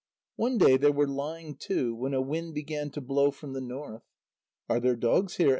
One day they were lying to, when a wind began to blow from the north. "Are there dogs here?"